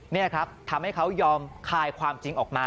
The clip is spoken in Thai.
นี่ครับทำให้เขายอมคลายความจริงออกมา